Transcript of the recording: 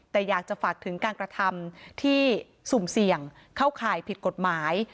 แต่อยากจะฝากถึงการกระทำที่สุ่มเสี่ยงเข้าข่ายผิดกฎหมาย